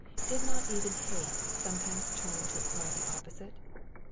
Did not even hate turn sometimes to its mighty opposite?